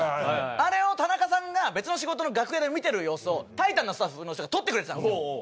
あれを田中さんが別の仕事の楽屋で見てる様子をタイタンのスタッフの人が撮ってくれてたんですよ。